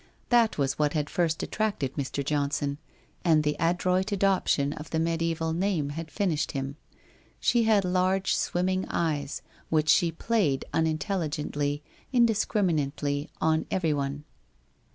That was what had first attracted Mr. Johnson, and the adroit adoption of the mediaeval name had finished him. She had large swim ming eyes, which she played unintelligently, indiscrimin ately, on everyone.